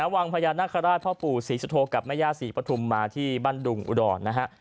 วังพญานาคาราชพ่อปู่ศรีสุโธกับแม่ย่าศรีปฐุมมาที่บ้านดุงอุดรนะฮะ